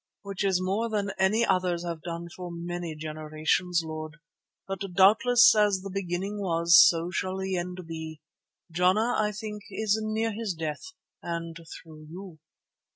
"Which is more than any others have done for many generations, Lord. But doubtless as the beginning was, so shall the end be. Jana, I think, is near his death and through you."